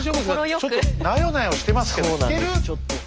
ちょっとなよなよしてますけど引ける？